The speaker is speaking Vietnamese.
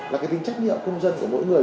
là cái tính trách nhiệm công dân của mỗi người